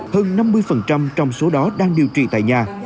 hơn năm mươi trong số đó đang điều trị tại nhà